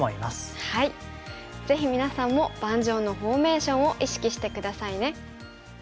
ぜひみなさんも盤上のフォーメーションを意識して下さいね。